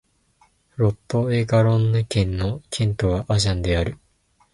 ロット＝エ＝ガロンヌ県の県都はアジャンである